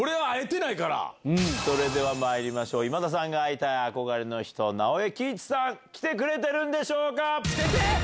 それではまいりましょう今田さんが会いたい憧れの人直江喜一さん来てくれてるんでしょうか？